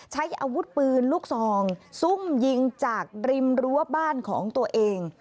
ใช้อาวุธปืนลูกซองซุ่มยิงจากริมรั้วบ้านของตัวเอง